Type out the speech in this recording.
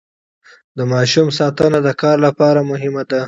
د ماشوم ساتنه د کار لپاره مهمه ده.